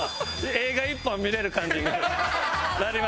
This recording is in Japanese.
映画１本見れる感じになりますので。